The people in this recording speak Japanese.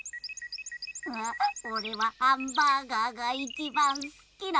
おれはハンバーガーがいちばんすきなんじゃ。